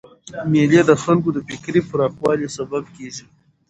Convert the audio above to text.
مېلې د خلکو د فکري پراخوالي سبب کېږي.